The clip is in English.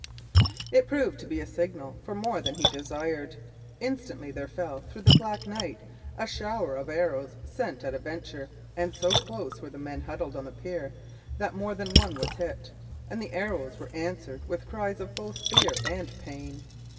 It proved to be a signal far more than he desired. Instantly there fell, through the black night, a shower of arrows sent at a venture; and so close were the men huddled on the pier that more than one was hit, and the arrows were answered with cries of both fear and pain.